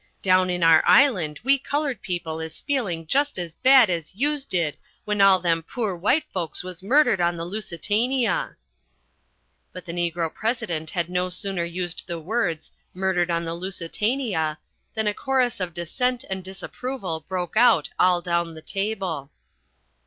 Down in our island we coloured people is feeling just as bad as youse did when all them poor white folks was murdered on the Lusitania!" But the Negro President had no sooner used the words "Murdered on the Lusitania," than a chorus of dissent and disapproval broke out all down the table.